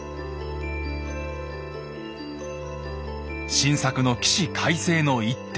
晋作の起死回生の一手。